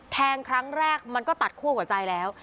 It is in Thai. แทงครั้งแรกมันก็ตัดคั่วกว่าใจแล้ว